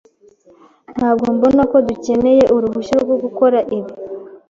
Ntabwo mbona ko dukeneye uruhushya rwo gukora ibi.